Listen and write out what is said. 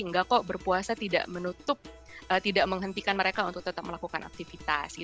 enggak kok berpuasa tidak menutup tidak menghentikan mereka untuk tetap melakukan aktivitas